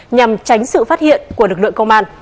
nhằm tránh sự phát hiện của lực lượng công an